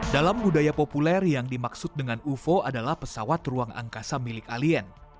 dalam budaya populer yang dimaksud dengan ufo adalah pesawat ruang angkasa milik alien